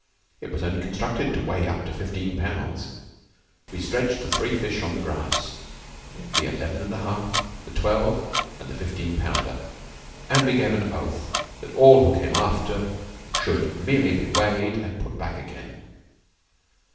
It was only constructed to weigh up to fifteen pounds. We stretched the three fish on the grass the eleven and a half, the twelve and fifteen pounder and we gave an oath that all who came after should merely be weighed and put back again.